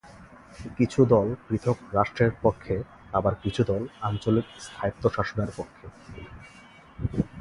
কিছু দল পৃথক রাষ্ট্রের পক্ষে আবার কিছু দল আঞ্চলিক স্বায়ত্তশাসনের পক্ষে।